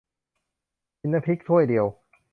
กินน้ำพริกถ้วยเดียว